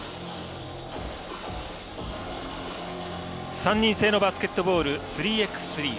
３人制のバスケットボール３ｘ３。